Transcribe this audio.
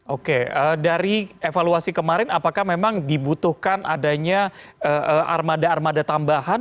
oke dari evaluasi kemarin apakah memang dibutuhkan adanya armada armada tambahan